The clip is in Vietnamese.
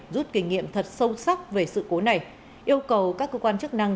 rút kinh nghiệm thật sâu sắc về sự cố này yêu cầu các cơ quan chức năng